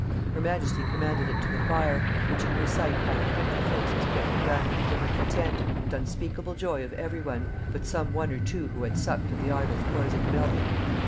Her majesty commanded it to the fire, which in her sight by the country folks was quickly done, to her content, and unspeakable joy of every one, but some one or two who had sucked of the idol's poisoned milk.